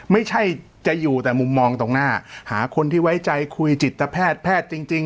ไม่ใช่จะอยู่แต่มุมมองตรงหน้าหาคนที่ไว้ใจคุยจิตแพทย์แพทย์จริง